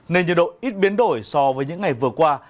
nên nhiệt độ ít biến đổi so với những ngày vừa qua